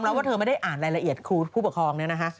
แล้วว่าเธอไม่ได้อ่านรายละเอียดครูผู้ปกครองเนี่ยนะคะ